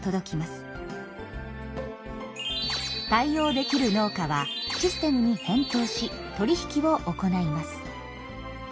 対応できる農家はシステムに返答し取り引きを行います。